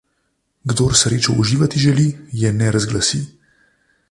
Kdor srečo uživati želi, je ne razglasi.